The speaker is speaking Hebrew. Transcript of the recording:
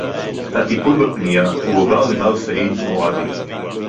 הטיפול בפנייה הועבר למר סעיד מועדי